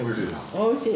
おいしい。